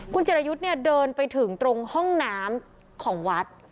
คุณจิรยุทธ์เนี่ยเดินไปถึงตรงห้องน้ำของวัด